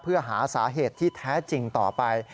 เพื่อหาสาเหตุที่แท้จริงต่อไป